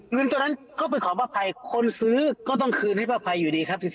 เงินตัวนั้นก็ไปขอป้าภัยคนซื้อก็ต้องคืนให้ป้าภัยอยู่ดีครับ